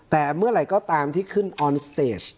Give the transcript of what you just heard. แต่เมื่อไหร่ก็ตามที่ขึ้นออนสเตจ